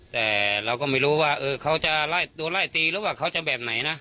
แต่เราก็ไม่รู้ว่าเขาจะไล่ตัวไล่ตีหรือว่าเขาจะแบบไหนนะ